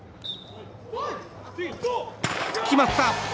決まった！